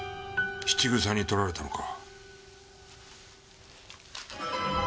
質草に取られたのか。